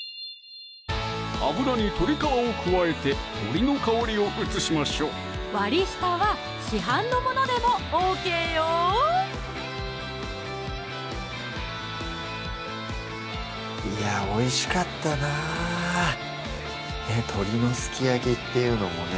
油に鶏皮を加えて鶏の香りをうつしましょう割り下は市販のものでもＯＫよいやおいしかったな鶏のすき焼きっていうのもね